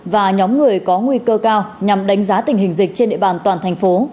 và nhóm người có nguy cơ cao nhằm đánh giá tình hình dịch trên địa bàn toàn thành phố